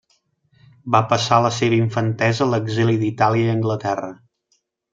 Va passar la seva infantesa a l'exili d'Itàlia i Anglaterra.